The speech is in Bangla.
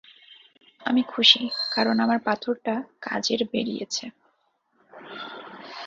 আমি খুশি কারণ আমার পাথরটা কাজের বেরিয়েছে।